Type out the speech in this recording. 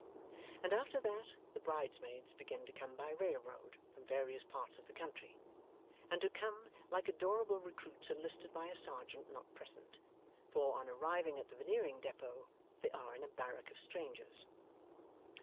And after that, the bridesmaids begin to come by rail road from various parts of the country, and to come like adorable recruits enlisted by a sergeant not present; for, on arriving at the Veneering depot, they are in a barrack of strangers.